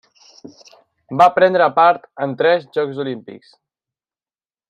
Va prendre part en tres Jocs Olímpics.